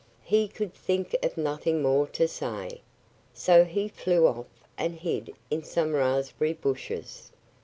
He could think of nothing more to say. So he flew off and hid in some raspberry bushes.